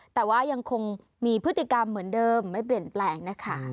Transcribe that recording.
แต่ว่ายังคงมีพฤติกรรมเหมือนเดิมไม่เปลี่ยนแปลงนะคะ